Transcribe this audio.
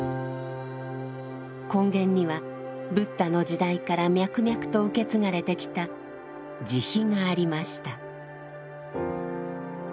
根源にはブッダの時代から脈々と受け継がれてきた慈悲がありました。